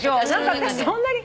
私そんなに。